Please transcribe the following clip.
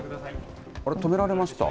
あれ、止められました。